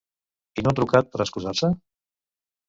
I no ha trucat per excusar-se?